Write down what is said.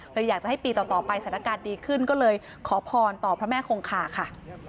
อยากจะให้ปีต่อไปสถานการณ์ดีขึ้นก็เลยขอพรต่อพระแม่คงคาค่ะ